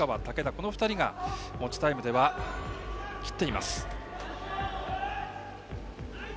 この２人が持ちタイムでは切っています。